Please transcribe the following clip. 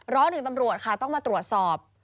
ร้อนถึงตำรวจค่ะต้องมาตรวจสอบ